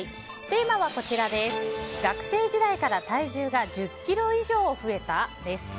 テーマは学生時代から体重が１０ｋｇ以上増えた？です。